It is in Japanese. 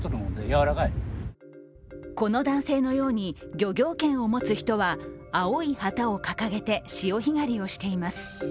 この男性のように、漁業権を持つ人は青い旗を掲げて潮干狩りをしています。